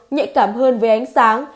nhạy cảm hơn với ánh sáng